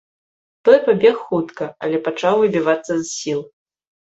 Той пабег хутка, але пачаў выбівацца з сіл.